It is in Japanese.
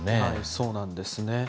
そうなんですね。